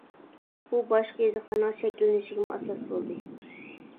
ئۇ باشقا يېزىقلارنىڭ شەكىللىنىشىگىمۇ ئاساس بولدى.